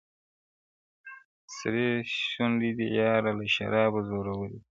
سرې سونډي دي یاره له شرابو زوروري دي,